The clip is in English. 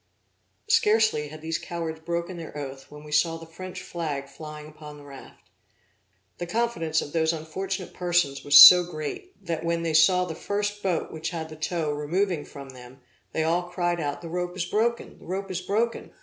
Scarcely had these cowards broken their oath, when we saw the French flag flying upon the raft. The confidence of those unfortunate persons was so great, that when they saw the first boat which had the tow removing from them, they all cried out the rope is broken! the rope is broken!